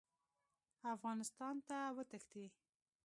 افغانستان ته وتښتي.